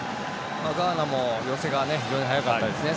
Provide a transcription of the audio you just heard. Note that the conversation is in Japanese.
ガーナも寄せが早かったですね